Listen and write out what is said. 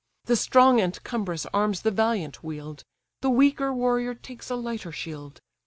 The strong and cumbrous arms the valiant wield, The weaker warrior takes a lighter shield.